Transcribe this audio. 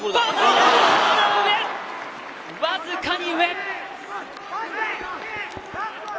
わずかに上。